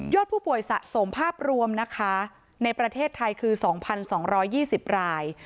ผู้ป่วยสะสมภาพรวมนะคะในประเทศไทยคือ๒๒๒๐ราย